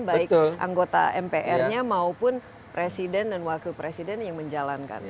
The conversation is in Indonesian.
baik anggota mpr nya maupun presiden dan wakil presiden yang menjalankan